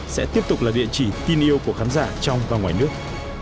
sẽ tiếp tục là địa chỉ tin yêu của khán giả trong và ngoài nước